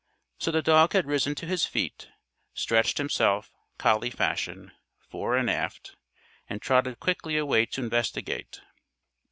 So the dog had risen to his feet, stretched himself, collie fashion, fore and aft, and trotted quickly away to investigate.